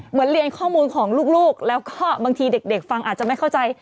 เรียนข้อมูลของลูกแล้วก็บางทีเด็กฟังอาจจะไม่เข้าใจ